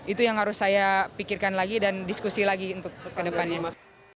itu yang harus saya pikirkan lagi dan diskusi lagi untuk kedepannya mas